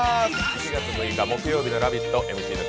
７月６日木曜日の「ラヴィット！」